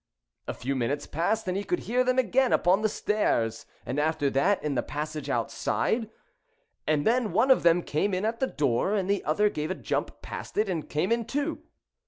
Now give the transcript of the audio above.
A few minutes passed, and he could hear them again upon the stairs, and after that in the passage outside, and then one of them came in at the door, and the other gave a jump past it and came in too.